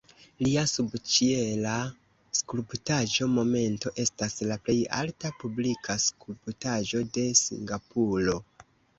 Lia subĉiela skulptaĵo "Momento" estas la plej alta publika skulptaĵo de Singapuro.